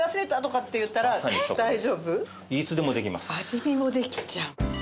味見もできちゃう。